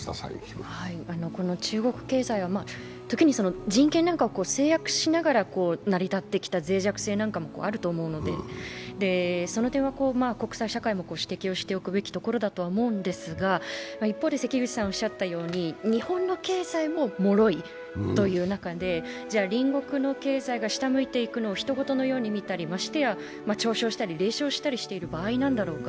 中国経済は時に人権なんかを制約しながら成り立ってきたぜい弱性なんかもあると思うのでその点は、国際社会も指摘をしておくべきだと思うんですが一方で日本の経済ももろいという中で、隣国の経済が下向いていくのをひと事のように見たりましてや嘲笑したり、冷笑したりしている場合なんだろうか。